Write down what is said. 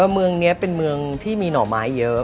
เมืองนี้เป็นเมืองที่มีหน่อไม้เยอะ